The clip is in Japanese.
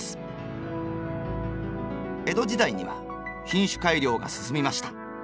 江戸時代には品種改良が進みました。